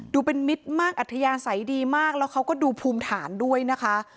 ดูเป็นมิตรมากอัธยาศัยดีมากแล้วเขาก็ดูภูมิฐานด้วยนะคะ